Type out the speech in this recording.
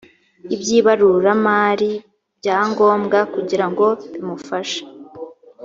by ibaruramari bya ngombwa kugira ngo bimufashe